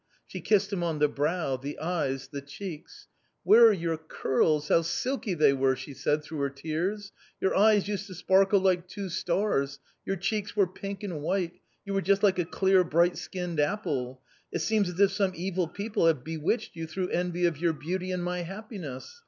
She kissed him on the brow, the eyes, the cheeks. " Where are your curls ? how silky they were !" she said, through her tears. " Your eyes used to sparkle like two stars ; your cheeks were pink and white ; you were just like a clear bright skinned apple. It seems as if some evil people have bewitched you through envy of your beauty and my happiness